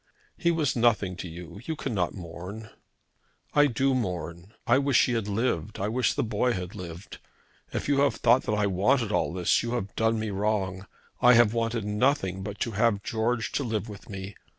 "He was nothing to you. You cannot mourn." "I do mourn. I wish he had lived. I wish the boy had lived. If you have thought that I wanted all this, you have done me wrong. I have wanted nothing but to have George to live with me.